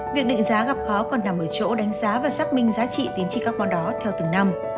việc định giá gặp khó còn nằm ở chỗ đánh giá và xác minh giá trị tiến trị carbon đó theo từng năm